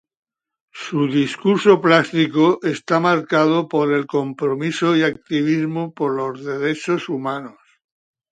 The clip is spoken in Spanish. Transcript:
Su discurso plástico está marcado por el compromiso y activismo por los derechos humanos.